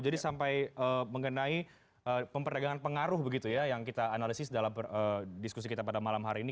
jadi sampai mengenai pemperdagangan pengaruh yang kita analisis dalam diskusi kita pada malam hari ini